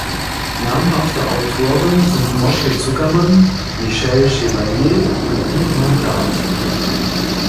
Namhafte Autoren sind Moshe Zuckermann, Michel Chevalier und Dietmar Dath.